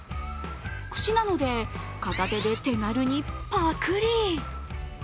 串なので片手で手軽にパクリ。